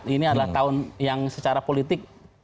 ini adalah tahun yang secara politik